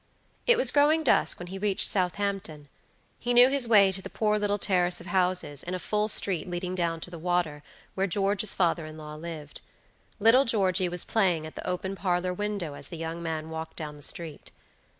It was growing dusk when he reached Southampton. He knew his way to the poor little terrace of houses, in a full street leading down to the water, where George's father in law lived. Little Georgey was playing at the open parlor window as the young man walked down the street.